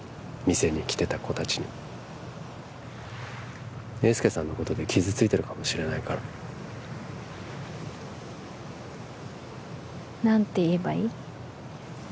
店に来てた子たちに英介さんのことで傷ついてるかもしれないから何て言えばいい？